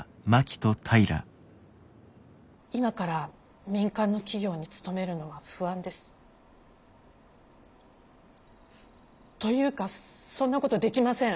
今から民間の企業に勤めるのは不安です。というかそんなことできません。